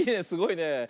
すごいね。